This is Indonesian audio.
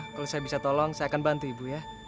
kalau saya bisa tolong saya akan bantu ibu ya